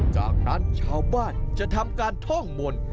จากนั้นชาวบ้านจะทำการท่องมนต์